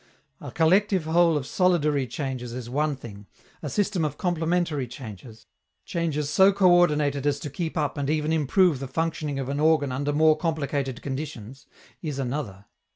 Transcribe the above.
A collective whole of solidary changes is one thing, a system of complementary changes changes so coördinated as to keep up and even improve the functioning of an organ under more complicated conditions is another.